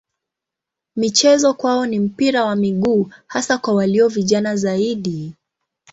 Michezo kwao ni mpira wa miguu hasa kwa walio vijana zaidi.